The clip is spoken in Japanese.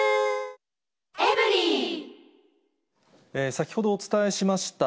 先ほどお伝えしました、